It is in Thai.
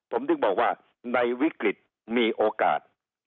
ผมถึงบอกว่าในวิกฤตมีโอกาส